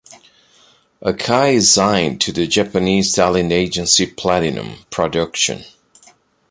Akai is signed to the Japanese talent agency Platinum Production.